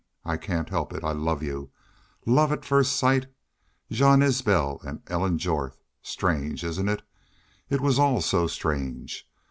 I can't help it. I love you. Love at first sight! Jean Isbel and Ellen Jorth! Strange, isn't it? ... It was all so strange.